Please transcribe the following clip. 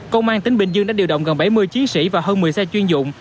công an tỉnh bình dương đã điều động gần bảy mươi chiến sĩ và hơn một mươi xe chuyên dụng